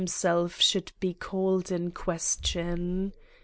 71 himself should be called in question.